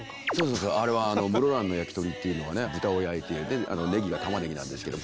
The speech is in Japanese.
そうそうあれは室蘭のやきとりっていうのはね豚を焼いてねぎが玉ねぎなんですけど。